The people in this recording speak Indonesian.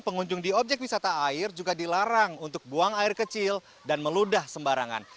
pengunjung di objek wisata air juga dilarang untuk buang air kecil dan meludah sembarangan